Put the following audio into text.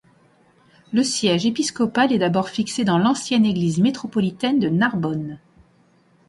Le siège épiscopal est d'abord fixé dans l'ancienne église métropolitaine de Narbonne.